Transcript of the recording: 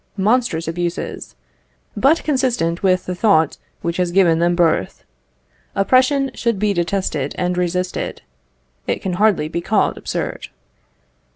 monstrous abuses, but consistent with the thought which has given them birth. Oppression should be detested and resisted it can hardly be called absurd.